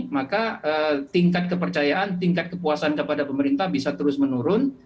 maka tingkat kepercayaan tingkat kepuasan kepada pemerintah bisa terus menurun